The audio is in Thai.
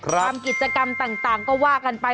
ทำกิจกรรมต่างก็ว่ากันไป